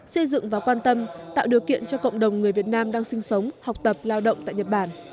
xây dựng và quan tâm tạo điều kiện cho cộng đồng người việt nam đang sinh sống học tập lao động tại nhật bản